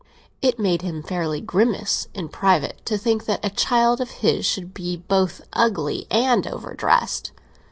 It made him fairly grimace, in private, to think that a child of his should be both ugly and overdressed.